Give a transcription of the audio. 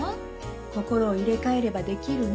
心を入れ替えればできるの。